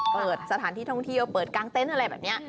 เปิดสถานที่ท่องเที่ยวเปิดกลางเต็นต์อะไรแบบนี้